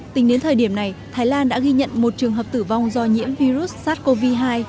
tính đến thời điểm này thái lan đã ghi nhận một trường hợp tử vong do nhiễm virus sars cov hai